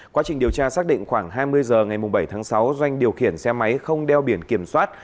quá trình điều tra xác định khoảng hai mươi h ngày bảy tháng sáu doanh điều khiển xe máy không đeo biển kiểm soát